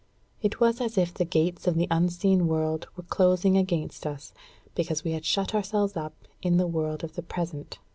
It was as if the gates of the unseen world were closing against us, because we had shut ourselves up in the world of the present.